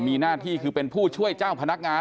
มีหน้าที่คือเป็นผู้ช่วยเจ้าพนักงาน